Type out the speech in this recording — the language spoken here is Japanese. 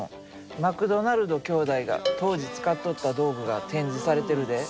マクドナルド兄弟が当時使っとった道具が展示されてるで。